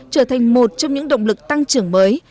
trở thành một trong những động lực tăng trưởng mới